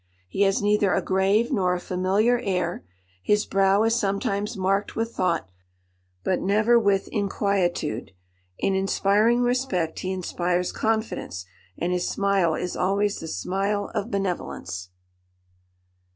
He has neither a grave nor a familiar air; his brow is sometimes marked with thought, but never with inquietude; in inspiring respect he inspires confidence, and his smile is always the smile of benevolence."